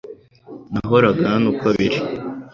Nahoraga hano uko biri